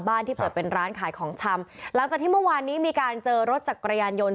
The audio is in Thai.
ที่เปิดเป็นร้านขายของชำหลังจากที่เมื่อวานนี้มีการเจอรถจักรยานยนต์